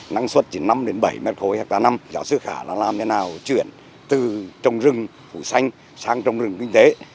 năng suất chỉ năm bảy m ba hectare năm giáo sư khả làm thế nào chuyển từ trồng rừng phủ xanh sang trồng rừng kinh tế